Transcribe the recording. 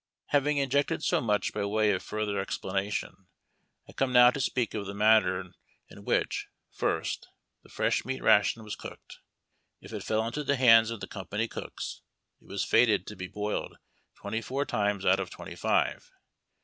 Having injected so much, by way of furtlier explanation I come now to speak of the manner in which, first, the fresh meat ration was cooked. If it fell into the hands of the company cooks, it was fated to be boiled twenty four times out of twenty five.